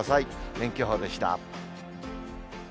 天気予報でした。